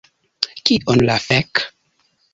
Kion la fek...